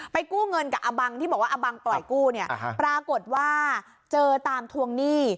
กู้เงินกับอาบังที่บอกว่าอบังปล่อยกู้เนี่ยปรากฏว่าเจอตามทวงหนี้